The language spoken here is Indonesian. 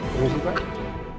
terima kasih pak